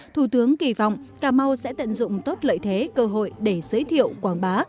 thủ tướng kỳ vọng cà mau sẽ tận dụng tốt lợi thế cơ hội để giới thiệu quảng bá